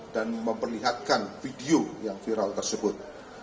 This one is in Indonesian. dan memperlihatkan video yang viral tersebut